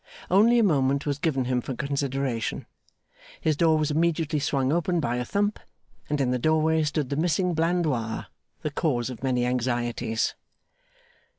Only a moment was given him for consideration. His door was immediately swung open by a thump, and in the doorway stood the missing Blandois, the cause of many anxieties.